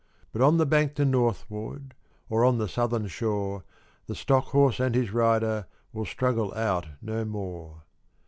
But on the bank to northward, Or on the southern shore, The stock horse and his rider Will struggle out no more.